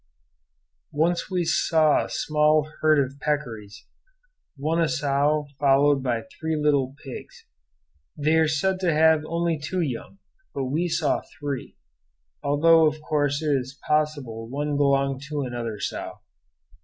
Once we saw a small herd of peccaries, one a sow followed by three little pigs they are said to have only two young, but we saw three, although of course it is possible one belonged to another sow.